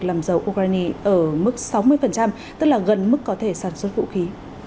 làm giàu ukraine ở mức sáu mươi tức là gần mức có thể sản xuất vũ khí